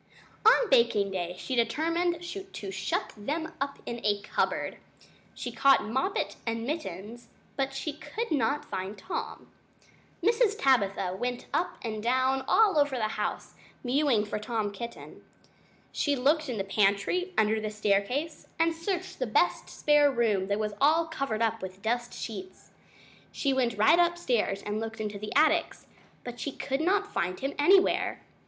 On baking day she determined to shut them up in a cupboard. She caught Moppet and Mittens, but she could not find Tom. Mrs. Tabitha went up and down all over the house, mewing for Tom Kitten. She looked in the pantry under the staircase, and she searched the best spare bedroom that was all covered up with dust sheets. She went right upstairs and looked into the attics, but she could not find him anywhere.